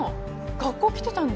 学校来てたんだ？